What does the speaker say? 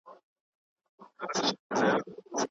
دا یو ملي او تاریخي ارزښت و چي افغانانو ورته په درنه سترګه کتل.